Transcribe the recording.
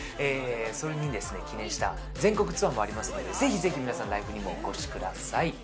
それに記念した全国ツアーもありますので、ぜひぜひ皆さんライブ築